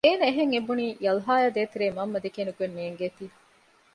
އޭނަ އެހެން އެބުނީ ޔަލްހާއާއ ދޭތެރޭ މަންމަ ދެކޭނެ ގޮތް ނޭންގޭތީ